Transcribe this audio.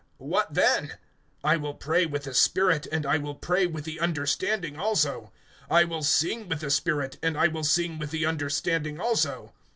(15)What then? I will pray with the spirit, and I will pray with the understanding also; I will sing with the spirit, and I will sing with the understanding also.